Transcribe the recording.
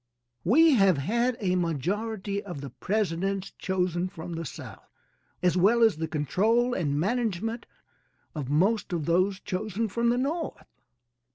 We have had a majority of the presidents chosen from the South as well as the control and management of most of those chosen from the North.